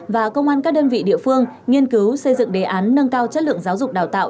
và công an các đơn vị địa phương nghiên cứu xây dựng đề án nâng cao chất lượng giáo dục đào tạo